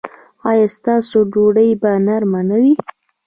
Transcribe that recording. ایا ستاسو ډوډۍ به نرمه نه وي؟